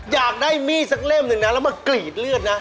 อยากได้มีดสักเล่มหนึ่งนะแล้วมากรีดเลือดนะ